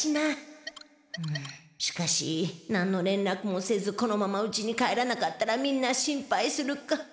んしかしなんのれんらくもせずこのまま家に帰らなかったらみんな心配するか。